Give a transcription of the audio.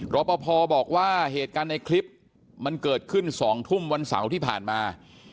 รอปภบอกว่าเหตุการณ์ในคลิปมันเกิดขึ้น๒ทุ่มวันเสาร์ที่ผ่านมา